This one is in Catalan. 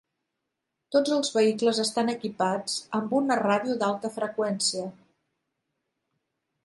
Tots els vehicles estan equipats amb una ràdio d'alta freqüència.